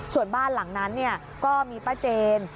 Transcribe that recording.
ส่วนบ้านหลังนั้นก็มีป้าเจน